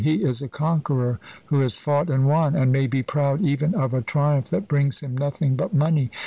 He is a conqueror who has fought and won, and may be proud even of a triumph that brings him nothing but money.